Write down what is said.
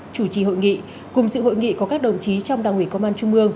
chủ trì hội nghị cùng sự hội nghị có các đồng chí trong đảng ủy công an trung ương